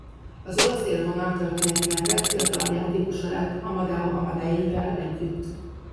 Az olasz élvonal történetének legfiatalabb játékosa lett Amadeo Amadei-vel együtt.